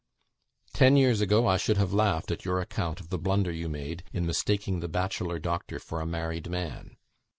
. Ten years ago, I should have laughed at your account of the blunder you made in mistaking the bachelor doctor for a married man.